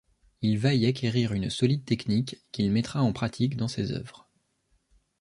Il va y acquérir une solide technique qu’il mettra en pratique dans ses œuvres.